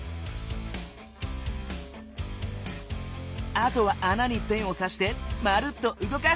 あとはあなにペンをさしてまるっとうごかしてみよう。